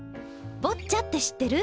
ボッチャって知ってる？